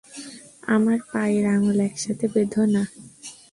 আমরা পায়ের আঙ্গুল একসাথে বেঁধো না।